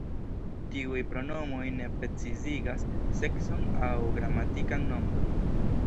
Tiuj pronomoj ne precizigas sekson aŭ gramatikan nombron.